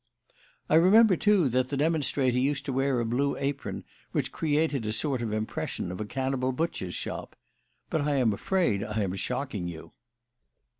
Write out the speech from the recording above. "I remember, too, that the demonstrator used to wear a blue apron, which created a sort of impression of a cannibal butcher's shop. But I am afraid I am shocking you."